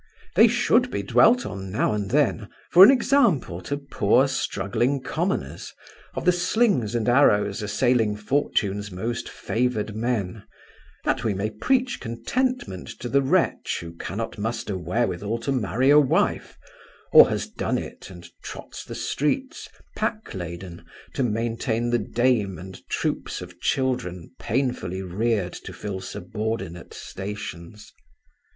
They should be dwelt on now and then for an example to poor struggling commoners, of the slings and arrows assailing fortune's most favoured men, that we may preach contentment to the wretch who cannot muster wherewithal to marry a wife, or has done it and trots the streets, pack laden, to maintain the dame and troops of children painfully reared to fill subordinate stations.